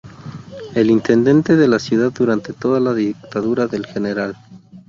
El Intendente de la Ciudad durante toda la dictadura del Gral.